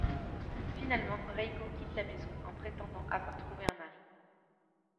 Finalement, Reiko quitte la maison en prétendant avoir trouvé un mari.